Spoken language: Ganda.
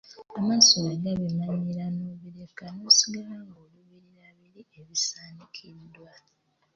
Amaaso bwe gabimanyiira nobireka nosigala ng'oluubirira biri ebisanikidwa.